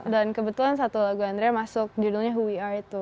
dan kebetulan satu lagu andrea masuk judulnya who we are itu